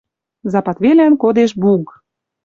Запад велӓн кодеш Буг!..